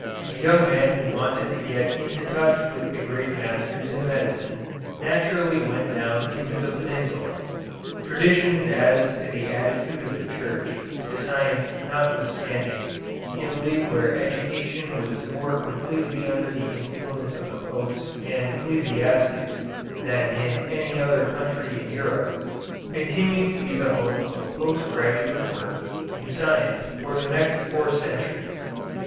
A young man who wanted to get into touch with the great masters in medicine naturally went down into the Peninsula. Traditions as to the attitude of the Church to science notwithstanding, Italy where education was more completely under the influence of the Popes and ecclesiastics than in any other country in Europe, continued to be the home of post graduate work in science for the next four centuries.